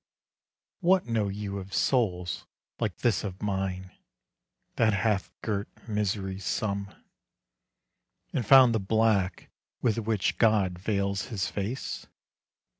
What know you of souls Like this of mine that hath girt misery's sum, And found the black with which God veils His face?